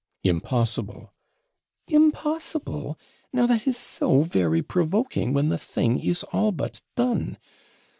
'Impossible!' 'Impossible! now that is so very provoking when the thing is all but done.